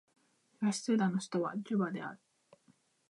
南スーダンの首都はジュバである